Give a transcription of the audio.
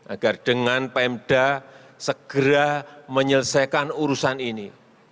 agar dengan pemda segera menyelesaikan urusan ini